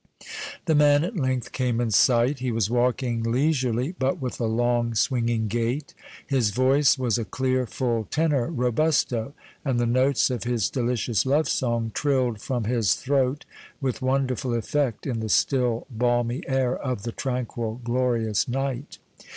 The man at length came in sight; he was walking leisurely, but with a long, swinging gait. His voice was a clear, full tenor robusto, and the notes of his delicious love song trilled from his throat with wonderful effect in the still, balmy air of the tranquil, glorious night.